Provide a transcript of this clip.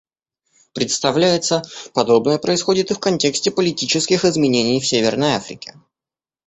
Представляется, подобное происходит и в контексте политических изменений в Северной Африке.